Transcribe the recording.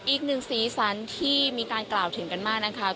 อีกหนึ่งศีลศัลที่มีการกล่าวถึงกันมากนะคะ